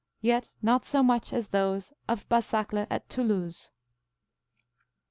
Yet not so much as those of Basacle at Toulouse.